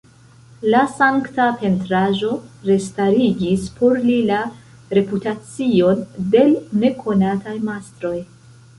La sankta pentraĵo restarigis por li la reputacion de l' nekonataj mastroj.